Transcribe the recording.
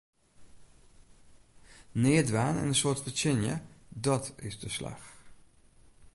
Neat dwaan en in soad fertsjinje, dàt is de slach!